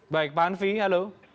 baik pak hanfi halo